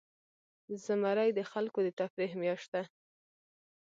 زمری د خلکو د تفریح میاشت ده.